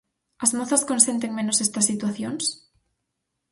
As mozas consenten menos estas situacións?